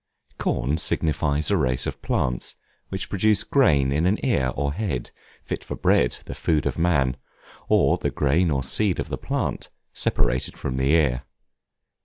Corn signifies a race of plants which produce grain in an ear or head, fit for bread, the food of man; or the grain or seed of the plant, separated from the ear.